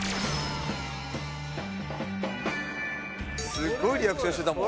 すごいリアクションしてたもん。